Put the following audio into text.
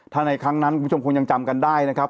ถ้าในครั้งนั้นคุณผู้ชมคงยังจำกันได้นะครับ